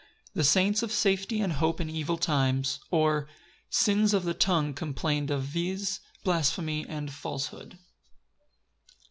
L. M. The saint's safety and hope in evil times; or, Sins of the tongue complained of, viz, blasphemy, falsehood, &c.